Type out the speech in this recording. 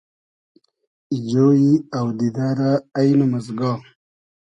ای جۉیی اۆدیدۂ رۂ اݷنئم از گا